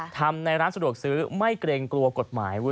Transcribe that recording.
ทำในร้านสะดวกซื้อไม่เกรงกลัวกฎหมาย